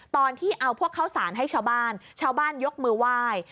ตอนที่เอาพวกเข้าสารให้ชาวบ้านชาวบ้านยกมือไหว้